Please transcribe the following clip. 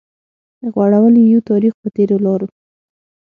غوړولي يو تاريخ پر تېرو لارو